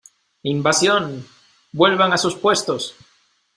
¡ Invasión! ¡ vuelvan a sus puestos !